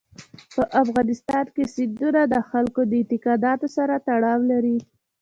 په افغانستان کې سیندونه د خلکو د اعتقاداتو سره تړاو لري.